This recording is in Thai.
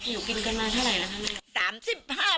อยู่กินกันมาเท่าไหร่แล้วคะเนี่ย